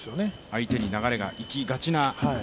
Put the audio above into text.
相手に流れがいきがちな。